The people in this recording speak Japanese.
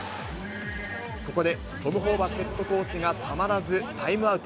ここでトム・ホーバスヘッドコーチが、たまらずタイムアウト。